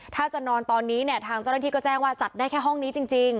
ถ้าจะนอนตอนนี้เนี่ยทางเจ้าหน้าที่ก็แจ้งว่าจัดได้แค่ห้องนี้จริง